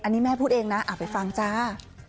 อันนี้แม่พูดเองนะไปฟังจ้า